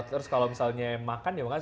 terus kalau misalnya makan ya makan